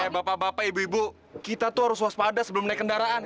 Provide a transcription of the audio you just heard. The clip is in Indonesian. bapak bapak ibu ibu kita tuh harus waspada sebelum naik kendaraan